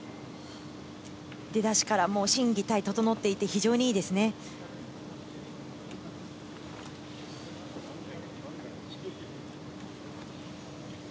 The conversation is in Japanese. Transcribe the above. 出だしから心・技・体、整っていて非常にいいですね。